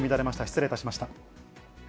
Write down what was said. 失礼いたしました。